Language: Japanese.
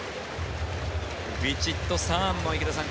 ヴィチットサーンも池田さん